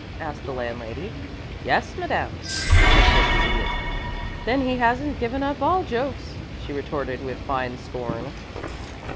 asked the landlady. "Yes, madame," observed the Idiot. "Then he hasn't given up all jokes," she retorted, with fine scorn.